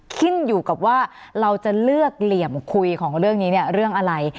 ขึ้นอยู่กับว่าเราจะเลือกเหลี่ยมคุยของเรื่องนี้เนี่ยเรื่องอะไร